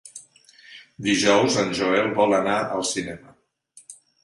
Dijous en Joel vol anar al cinema.